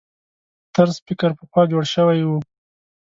طرز فکر پخوا جوړ شوي وو.